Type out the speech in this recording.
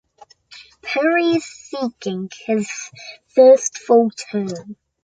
Perry is seeking his first full term.